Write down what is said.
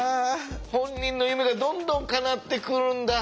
本人の夢がどんどんかなってくるんだ。